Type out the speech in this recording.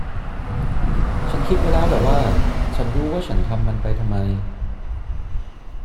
ฉันคิดไว้แล้วแหละว่า ฉันรู้ว่าฉันทำมันไปทำไม